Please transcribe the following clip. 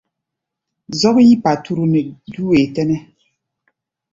Zɔ́k yí paturu nɛ dú wee tɛ́nɛ́.